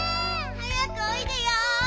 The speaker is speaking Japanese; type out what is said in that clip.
はやくおいでよ！